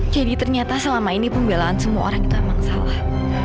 jadi ternyata selama ini pembelaan semua orang itu emang salah